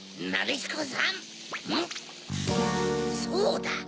そうだ！